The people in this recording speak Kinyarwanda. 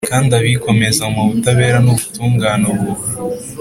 kandi abikomeze mu butabera n’ubutungane ubu